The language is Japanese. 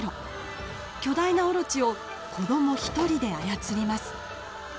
巨大な大蛇を子ども１人で操ります。